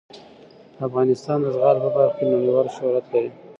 افغانستان د زغال په برخه کې نړیوال شهرت لري.